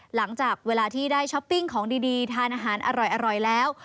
หลังจากเวลาที่ได้ช้อปปิ้งของดีทานอาหารอร่อยแล้ว